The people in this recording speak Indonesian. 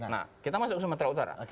nah kita masuk sumatera utara